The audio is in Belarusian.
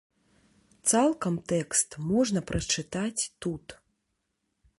Цалкам тэкст можна прачытаць тут.